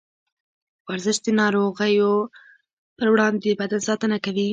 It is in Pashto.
ورزش د نارغيو پر وړاندې د بدن ساتنه کوي.